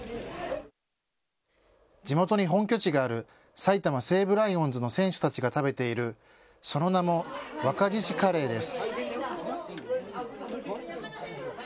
地元に本拠地がある埼玉西武ライオンズの選手たちが食べているその名も若獅子カレーです。